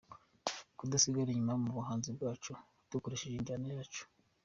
kudasigara inyuma mu buhanzi bwacu, dukoresheje injyana yacu.